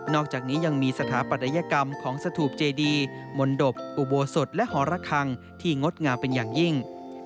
อกจากนี้ยังมีสถาปัตยกรรมของสถูปเจดีมนตบอุโบสถและหอระคังที่งดงามเป็นอย่างยิ่ง